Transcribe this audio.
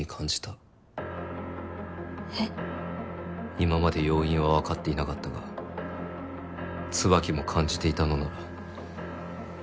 今まで要因は分かっていなかったが椿も感じていたのなら。